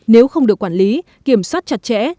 nếu không được quản lý kiểm soát chặt chẽ